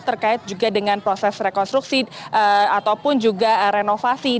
terkait juga dengan proses rekonstruksi ataupun juga renovasi dari bangunan rumah mereka